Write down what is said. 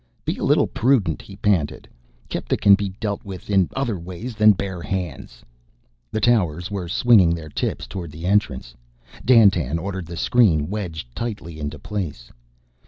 "Be a little prudent," he panted. "Kepta can be dealt with in other ways than with bare hands." The towers were swinging their tips toward the entrance. Dandtan ordered the screen wedged tightly into place.